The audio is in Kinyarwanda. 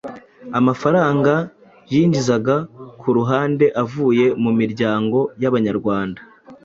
amafaranga yinjizaga ku ruhande avuye mu miryango y'Abanyarwanda